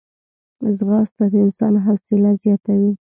ځغاسته د انسان حوصله زیاتوي